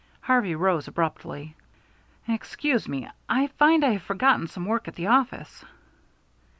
Harvey rose abruptly. "Excuse me. I find I have forgotten some work at the office."